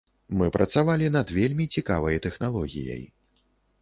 Мы працавалі над вельмі цікавай тэхналогіяй.